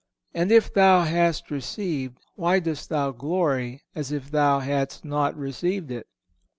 And if thou hast received, why dost thou glory as if thou hadst not received it?"